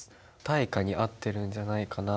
対価に合ってるんじゃないかなって。